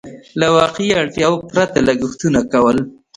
له واقعي اړتياوو پرته لګښتونه کول.